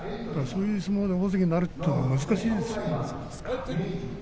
そういう人でも大関になるというのは難しいですよ。